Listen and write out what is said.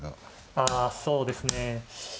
ああそうですね。